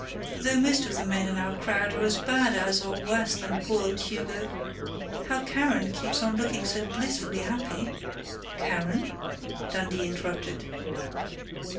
Though most of the men in our crowd are as bad as or worse than poor old Hugo. How Karen keeps on looking so blissfully happy " "Karen?" Dundee interrupted.